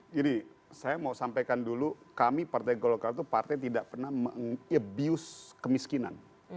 jadi saya mau sampaikan dulu kami partai golkar itu partai tidak pernah meng abuse kemiskinan